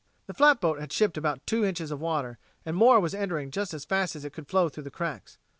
The flatboat had shipped about two inches of water, and more was entering just as fast as it could flow through the cracks.